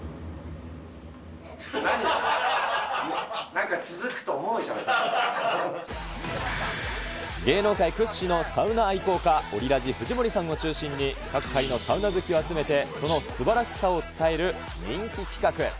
何？なんか続くと思うじゃん、芸能界屈指のサウナ愛好家、オリラジ・藤森さんを中心に、各界のサウナ好きを集めて、そのすばらしさを伝える人気企画。